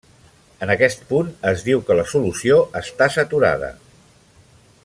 En aquest punt, es diu que la solució està saturada.